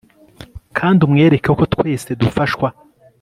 kandi umwereke ko twese dufashwa